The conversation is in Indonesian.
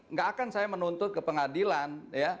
nggak akan saya menuntut ke pengadilan